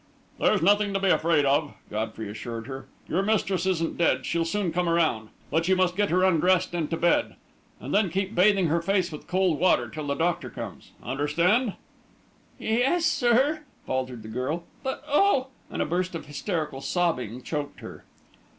"There's nothing to be afraid of," Godfrey assured her. "Your mistress isn't dead she'll soon come around. But you must get her undressed and to bed. And then keep bathing her face with cold water till the doctor comes. Understand?" "Ye yes, sir," faltered the girl. "But oh!" and a burst of hysterical sobbing choked her.